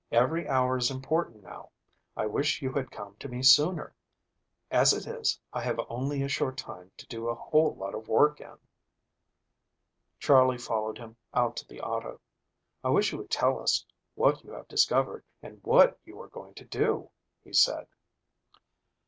"Every hour is important now. I wish you had come to me sooner; as it is, I have only a short time to do a whole lot of work in." Charley followed him out to the auto. "I wish you would tell us what you have discovered and what you are going to do," he said.